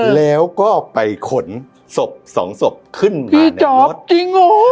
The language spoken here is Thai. แล้วก็ไปขนสมบสองสมบขึ้นมาเป็นแบบพี่เจอบจริงหมด